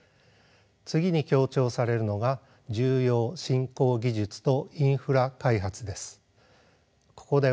次に強調されるのが重要・新興技術とインフラ開発です。